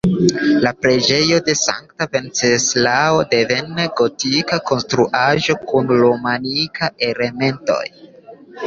La preĝejo de sankta Venceslao, devene gotika konstruaĵo kun romanikaj elementoj.